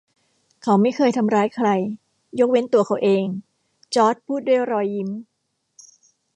เขาไม่เคยทำร้ายใคร ยกเว้นตัวเขาเอง จอร์จพูดด้วยรอยยิ้ม